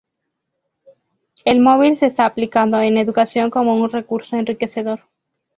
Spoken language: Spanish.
El móvil se está aplicando en educación cómo un recurso enriquecedor.